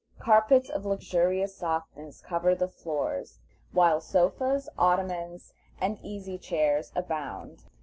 Carpets of luxurious softness cover the floors, while sofas, ottomans, and easy chairs abound.